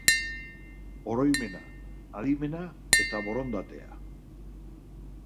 Oroimena, adimena eta borondatea.